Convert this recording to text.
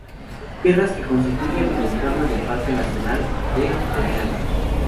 Tierras que constituyen el entorno del Parque Nacional de Doñana.